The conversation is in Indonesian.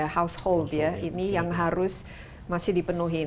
household yang harus dipenuhi